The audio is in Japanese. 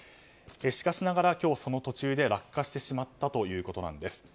しかしながら今日その途中で落下してしまったということです。